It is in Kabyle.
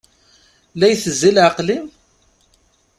La itezzi leɛqel-im?